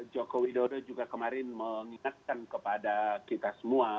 joko widodo juga kemarin mengingatkan kepada kita semua